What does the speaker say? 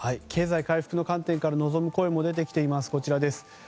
経済回復の観点から望む声も出てきています。